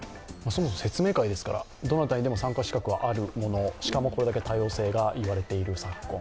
そもそも説明会ですから、どなたにも参加資格がある、しかも、これだけ多様性が言われている昨今。